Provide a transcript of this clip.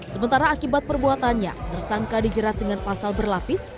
sementara akibat perbuatannya tersangka dijerat dengan pasal berlapis